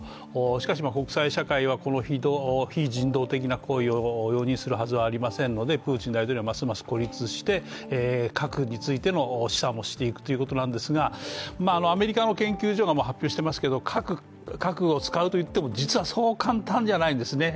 しかし国際社会はこの非人道的な行為を容認するはずはありませんのでプーチン大統領はますます孤立して核についての試算をしていくということですが、アメリカの研究所が発表してますけど核を使うといっても実はそう簡単じゃないんですね。